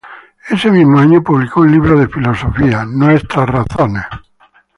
Ese mismo año publicó un libro de filosofía, "Nuestras razones".